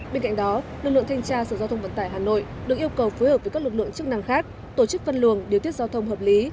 bên cạnh đó lực lượng thanh tra sở giao thông vận tải hà nội được yêu cầu phối hợp với các lực lượng chức năng khác tổ chức phân luồng điều tiết giao thông hợp lý